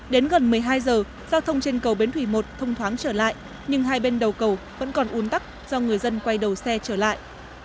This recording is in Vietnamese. đến gần một mươi hai giờ giao thông trên cầu bến thủy một thông thoáng trở lại nhưng hai bên đầu cầu vẫn còn un tắc do người dân quay đầu xe trở lại